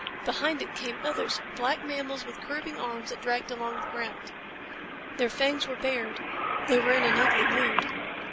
Behind it came others black mammals with curving arms that dragged along the ground. Their fangs were bared. They were in an ugly mood.